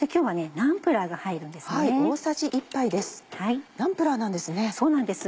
ナンプラーなんですね？